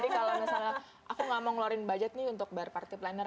jadi kalau misalnya aku gak mau ngeluarin budgetnya untuk bar party planner